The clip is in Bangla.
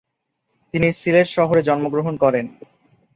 তিনি সিলেট শহরে জন্মগ্রহণ করেন।